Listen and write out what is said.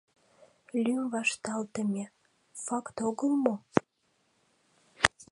Лӱм вашталтыме — факт огыл мо?